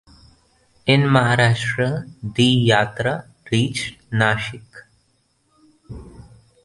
In Maharashtra, the yatra reached Nashik.